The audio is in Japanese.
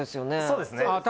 そうですねあっ